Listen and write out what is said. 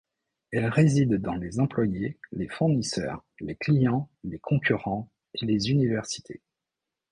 Elle réside dans les employés, les fournisseurs, les clients, les concurrents et les universités.